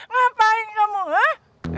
ngapain kamu hah